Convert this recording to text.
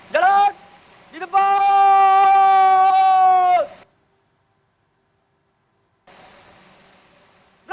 jalan di depan